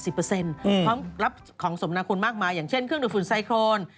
บาทของสมนาคุณมากมายังเช่นเครื่องดูฝึกไซโคลน